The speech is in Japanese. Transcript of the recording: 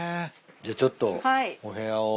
じゃあちょっとお部屋を。